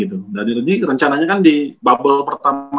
jadi rencananya kan di bubble pertama